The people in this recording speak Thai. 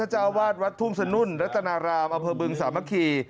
เจ้าวาดวัดทุ่งสนุ่นรัตนารามอเภึงสามัคคี